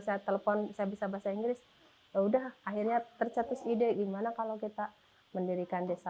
saya telepon saya bisa bahasa inggris udah akhirnya tercetus ide gimana kalau kita mendirikan desa